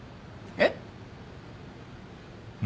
えっ？